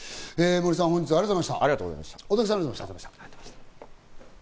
大竹さんもありがとうございました。